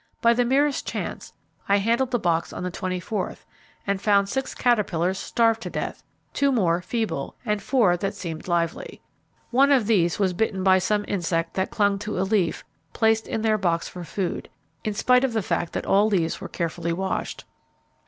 By the merest chance I handled the box on the twentyfourth, and found six caterpillars starved to death, two more feeble, and four that seemed lively. One of these was bitten by some insect that clung to a leaf placed in their box for food, in spite of the fact that all leaves were carefully washed.